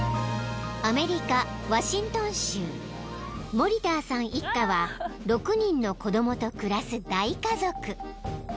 ［モリターさん一家は６人の子供と暮らす大家族］